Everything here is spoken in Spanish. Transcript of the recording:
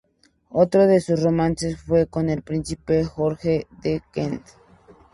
Otro de sus romances fue con el Príncipe Jorge de Kent.